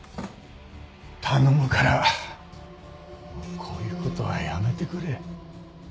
頼むからこういう事はやめてくれ。